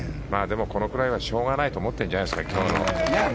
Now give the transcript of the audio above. このくらいはしょうがないと思ってるんじゃないですか。